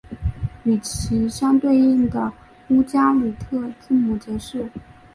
与其相对应的乌加里特字母则是。